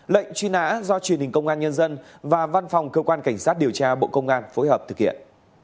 lệnh truy nã do truyền hình công an nhân dân và văn phòng cơ quan cảnh sát điều tra bộ công an phối hợp thực hiện